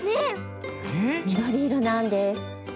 みどりいろなんです。